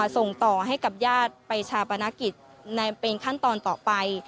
ส่งต่อให้กับญาติไปชาปนกิจเป็นขั้นตอนต่อไป